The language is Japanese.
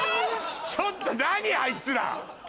ちょっと何あいつら。